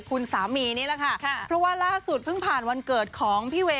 คุณสามีนี่แหละค่ะเพราะว่าล่าสุดเพิ่งผ่านวันเกิดของพี่เวย